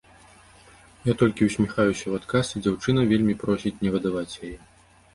Я толькі ўсміхаюся ў адказ, і дзяўчына вельмі просіць не выдаваць яе.